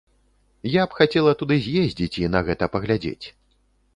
Я б хацела туды з'ездзіць і на гэта паглядзець.